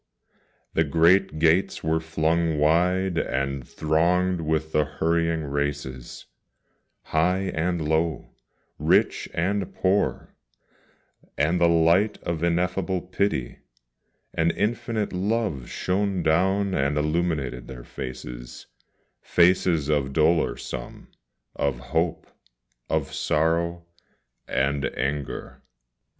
the great gates were flung wide, and thronged with the hurrying races High and low, rich and poor and the light of ineffable pity, And infinite love shone down and illumined their faces, Faces of dolor some, of hope, of sorrow, and anger.